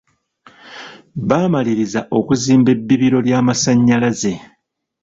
Baamalirizza okuzimba ebbibiro ly'amasannyalaze.